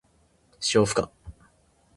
使用不可。